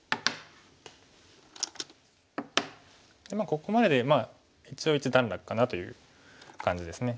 ここまでで一応一段落かなという感じです。